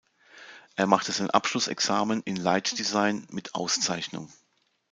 Er machte sein Abschlussexamen in „Light Design“ mit Auszeichnung.